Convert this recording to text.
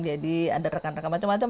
jadi ada rekan rekan macam macam